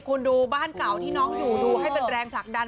คุณดูบ้านเก่าที่น้องอยู่ดูให้เป็นแรงผลักดัน